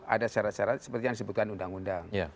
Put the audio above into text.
ada syarat syarat seperti yang disebutkan undang undang